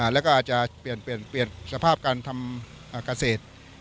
แล้วก็อาจจะเปลี่ยนสภาพการทำเกษตร